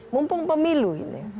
mumpung pemilu ini